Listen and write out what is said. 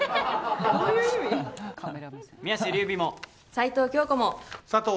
齊藤京子も。